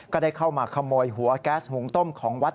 ก็ได้เข้ามาขโมยหัวแก๊สหุงต้มของวัด